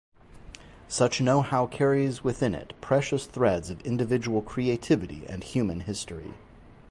Such know-how carries within it precious threads of individual creativity and human history.